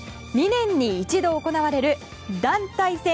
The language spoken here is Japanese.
２年に一度行われる団体戦